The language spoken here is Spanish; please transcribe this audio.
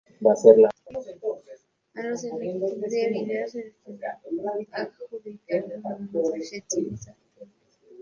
A los efectos de vídeo se les pueden adjudicar los mismos adjetivos anteriores.